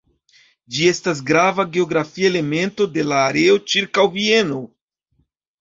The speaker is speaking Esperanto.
Ĝi estas grava geografia elemento de la areo ĉirkaŭ Vieno.